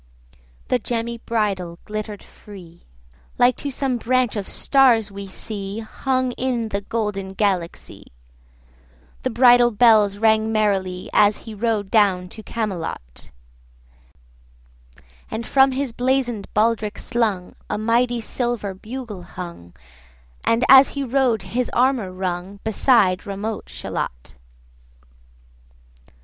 The gemmy bridle glitter'd free, Like to some branch of stars we see Hung in the golden Galaxy. The bridle bells rang merrily 85 As he rode down to Camelot: And from his blazon'd baldric slung A mighty silver bugle hung, And as he rode his armour rung, Beside remote Shalott.